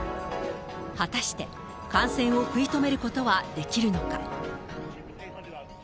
果たして、感染を食い止めることはできるのか。